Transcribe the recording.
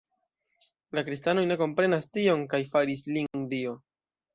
La kristanoj ne komprenis tion kaj faris lin dio.